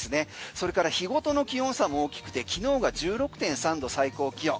それから日ごとの気温差も大きくて昨日が１６．３度、最高気温。